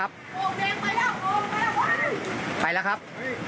โอ่งไปแล้วครับ